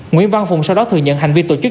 nguyễn văn phùng sau đó thừa nhận hành vi tổ chức